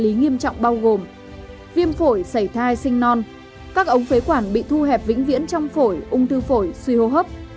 bệnh lý nghiêm trọng bao gồm viêm phổi sảy thai sinh non các ống phế quản bị thu hẹp vĩnh viễn trong phổi ung thư phổi suy hô hấp